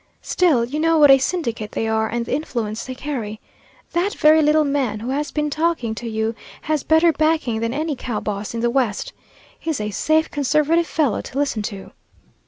Still, you know what a syndicate they are and the influence they carry. That very little man who has been talking to you has better backing than any cow boss in the West. He's a safe, conservative fellow to listen to."